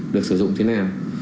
được sử dụng thế nào